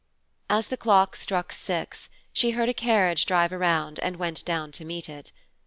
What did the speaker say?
As the clock struck six, she heard a carriage drive around and went down to meet it.